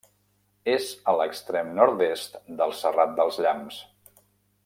És a l'extrem nord-est del Serrat dels Llamps.